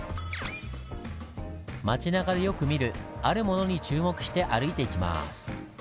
町なかでよく見るあるものに注目して歩いていきます。